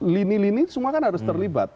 lini lini semua kan harus terlibat